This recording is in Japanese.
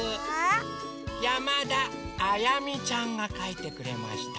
やまだあやみちゃんがかいてくれました。